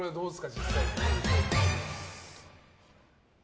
実際。